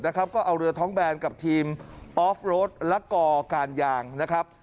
ก็เอาเรือท้องแบนกับทีมออฟโรดและกอการยางนะครับ